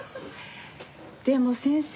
でも先生